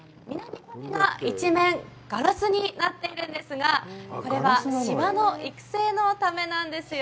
一面ガラスになっているんですが、これは芝の育成のためなんですよ。